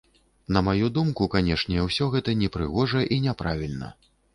На маю думку, канешне, усё гэта непрыгожа і няправільна.